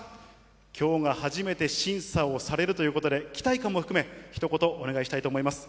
きょうが初めて審査をされるということで、期待感も含め、ひと言お願いしたいと思います。